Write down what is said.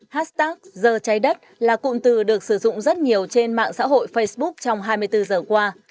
hashtag giờ trái đất là cụm từ được sử dụng rất nhiều trên mạng xã hội facebook trong hai mươi bốn giờ qua